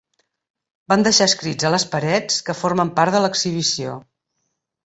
Van deixar escrits a les parets, que formen part de l'exhibició.